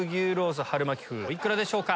お幾らでしょうか？